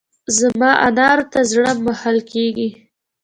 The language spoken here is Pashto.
زما انارو ته زړه مښل کېږي.